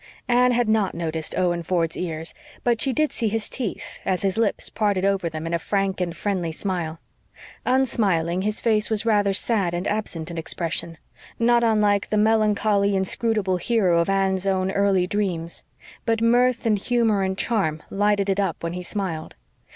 Anne had not noticed Owen Ford's ears, but she did see his teeth, as his lips parted over them in a frank and friendly smile. Unsmiling, his face was rather sad and absent in expression, not unlike the melancholy, inscrutable hero of Anne's own early dreams; but mirth and humor and charm lighted it up when he smiled.